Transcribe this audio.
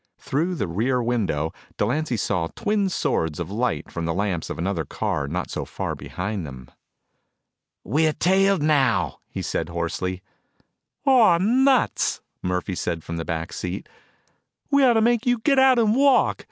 Through the rear window, Delancy saw twin swords of light from the lamps of another car not so far behind them. "We're tailed now," he said hoarsely. "Aw nuts!" Murphy said from the back seat. "We ought to make you get out and walk.